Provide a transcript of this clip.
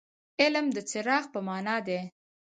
علم د څراغ په معنا دي.